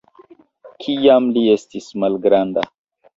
Kiam li estis malgranda.